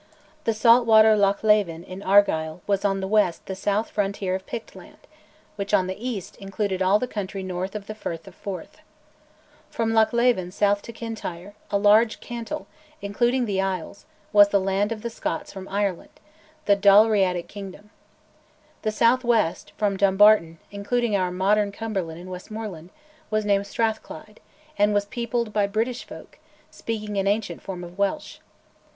The salt water Loch Leven in Argyll was on the west the south frontier of "Pictland," which, on the east, included all the country north of the Firth of Forth. From Loch Leven south to Kintyre, a large cantle, including the isles, was the land of the Scots from Ireland, the Dalriadic kingdom. The south west, from Dumbarton, including our modern Cumberland and Westmorland, was named Strathclyde, and was peopled by British folk, speaking an ancient form of Welsh.